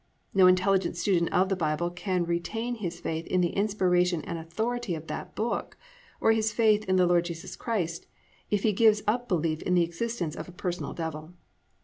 No intelligent student of the Bible can retain his faith in the inspiration and authority of that Book, or his faith in the Lord Jesus Christ, if he gives up belief in the existence of a personal Devil.